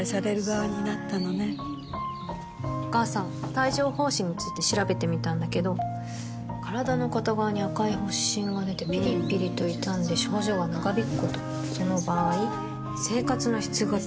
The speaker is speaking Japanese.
帯状疱疹について調べてみたんだけど身体の片側に赤い発疹がでてピリピリと痛んで症状が長引くこともその場合生活の質が低下する？